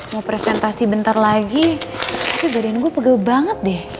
mau presentasi bentar lagi kejadian gue pegel banget deh